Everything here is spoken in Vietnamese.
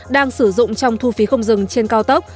đang sử dụng trong thu phí không dừng trên cao tốc